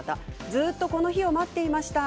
ずっとこの日を待っていました。